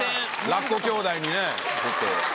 ラッコ兄妹にね。